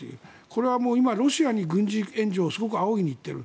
これは今ロシアに軍事援助をすごく仰ぎに行っている。